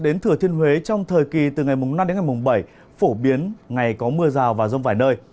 đến thừa thiên huế trong thời kỳ từ ngày năm đến ngày mùng bảy phổ biến ngày có mưa rào và rông vài nơi